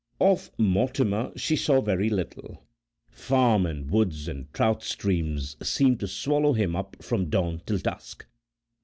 Of Mortimer she saw very little; farm and woods and trout streams seemed to swallow him up from dawn till dusk.